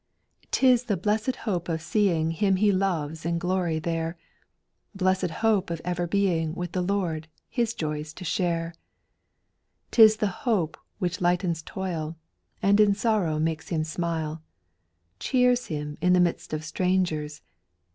4. 'T is the blessed hope of seeing Him he loves in glory there, Blessed hope of ever being With the Lord, His joys to share; 'T is the hope which lightens toil, And in sorrow makes him smile, Cheers him in the midst of strangers.